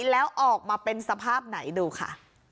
แล้วออกมาเป็นสภาพไหนดูค่ะ